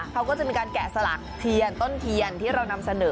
เขาก็จะมีการแกะสลักเทียนต้นเทียนที่เรานำเสนอ